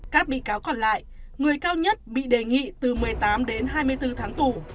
các bị cáo còn lại người cao nhất bị đề nghị từ một mươi tám đến hai mươi bốn tháng tù